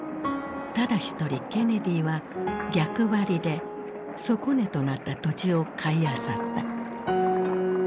ただ一人ケネディは逆張りで底値となった土地を買いあさった。